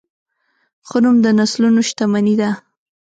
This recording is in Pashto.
ښه نوم د نسلونو شتمني ده.